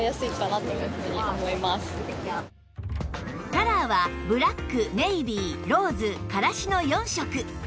カラーはブラックネイビーローズカラシの４色